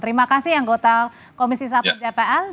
terima kasih anggota komisi satu dpr